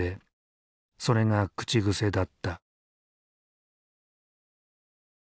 それが口癖だった。